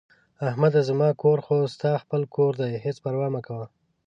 احمده زما کور خو ستاسو خپل کور دی، هېڅ پروا مه کوه...